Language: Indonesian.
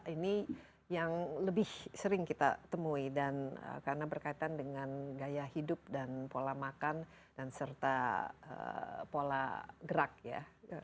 ini yang lebih sering kita temui dan karena berkaitan dengan gaya hidup dan pola makan dan serta pola gerak ya